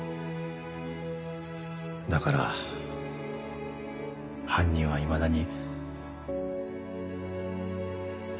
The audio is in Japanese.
だから犯人はいまだに。